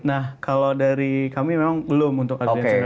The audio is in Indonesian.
nah kalau dari kami memang belum untuk audiensi ke kmn dibun